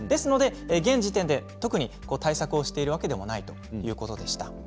現時点では特に対策をしているわけでもないということでした。